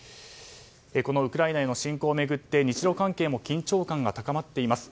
このウクライナへの侵攻を巡って日露関係も緊張感が高まっています。